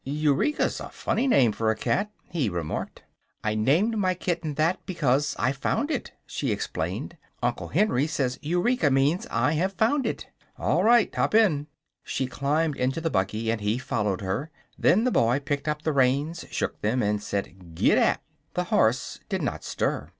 "Eureka's a funny name for a cat," he remarked. "I named my kitten that because I found it," she explained. "Uncle Henry says 'Eureka' means 'I have found it.'" "All right; hop in." She climbed into the buggy and he followed her. Then the boy picked up the reins, shook them, and said "Gid dap!" The horse did not stir.